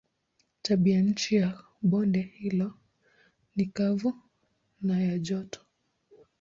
Tabianchi ya bonde hilo ni kavu na ya joto.